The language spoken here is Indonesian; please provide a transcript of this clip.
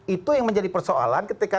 itu yang menjadi persoalan ketika